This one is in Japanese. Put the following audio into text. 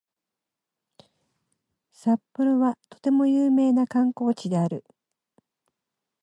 札幌はとても有名な観光地である